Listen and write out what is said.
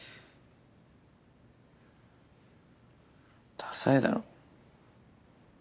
ダサいだろ。